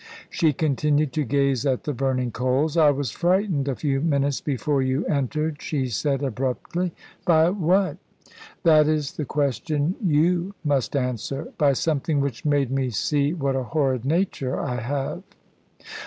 She continued to gaze at the burning coals. "I was frightened a few minutes before you entered," she said abruptly. "By what?" "That is the question you must answer. By something which made me see what a horrid nature I have."